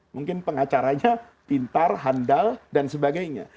mungkin pengacaranya pintar handal dan sebagainya